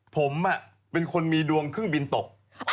ผมเป็นคนมีดวงเครื่องบินตก